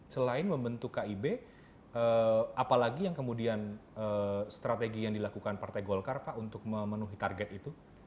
selain membentuk kib apalagi yang kemudian strategi yang dilakukan partai golkar pak untuk memenuhi target itu